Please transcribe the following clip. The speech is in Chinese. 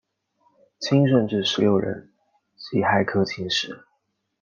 清顺治十六年己亥科进士。